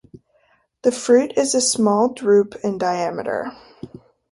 The fruit is a small drupe in diameter.